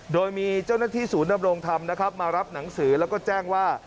โดยมีเจ้าหน้าที่ศูนย์ดำรงธรรมนะครับมารับหนังสือแล้วก็แจ้งว่า